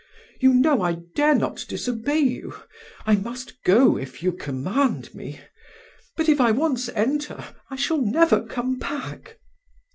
You know I dare not disobey you—I must go if you command me; but if I once enter, I never shall come back."